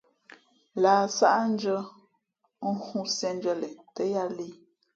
Lah sáʼndʉ̄ᾱ ghoo shundʉ̄ᾱ len tά yāā lēh.